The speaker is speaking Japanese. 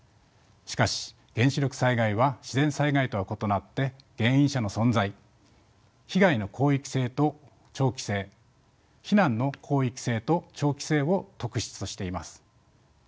しかし原子力災害は自然災害とは異なって原因者の存在被害の広域性と長期性避難の広域性と長期性を特質としています。